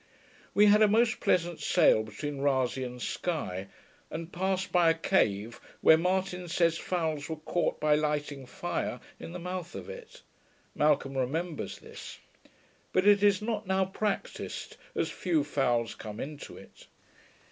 We had a most pleasant sail between Rasay and Sky; and passed by a cave, where Martin says fowls were caught by lighting fire in the mouth of it. Malcolm remembers this. But it is not now practised, as few fowls come into it.